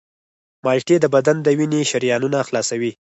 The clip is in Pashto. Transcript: مالټې د بدن د وینې شریانونه خلاصوي.